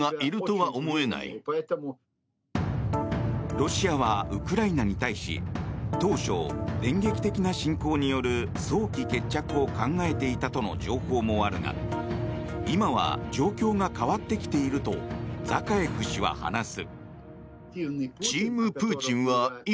ロシアはウクライナに対し当初、電撃的な侵攻による早期決着を考えていたとの情報もあるが今は状況が変わってきているとザカエフ氏は話す。